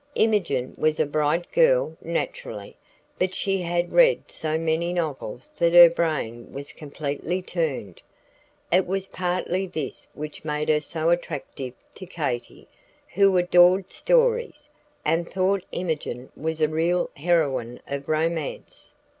Imogen was a bright girl, naturally, but she had read so many novels that her brain was completely turned. It was partly this which made her so attractive to Katy, who adored stories, and thought Imogen was a real heroine of romance.